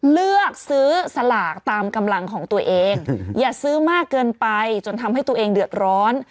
เลือกซื้อสลากตามกำลังของตัวเองอย่าซื้อมากเกินไปจนทำให้ตัวเองเดือดร้อน